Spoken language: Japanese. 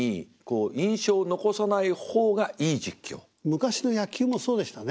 昔の野球もそうでしたね。